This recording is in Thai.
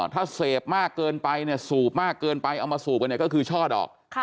ถ้าเสพมากเกินไปสูบมากเกินไปเอามาสูบกันก็คือช่อดอก